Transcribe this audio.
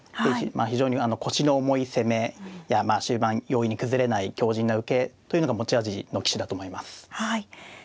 非常に腰の重い攻めや終盤容易に崩れない強じんな受けというのが持ち味の棋士だと思います。